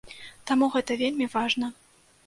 Таму гэта вельмі важна.